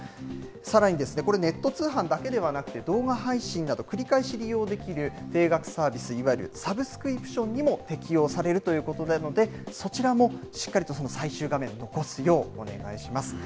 さらに、これ、ネット通販だけではなくて、動画配信など、繰り返し利用できる定額サービス、いわゆるサブスクリプションにも適用されるということなので、そちらもしっかりと最終画面を残すようお願いします。